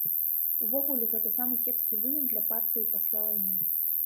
Увогуле, гэта самы кепскі вынік для партыі пасля вайны.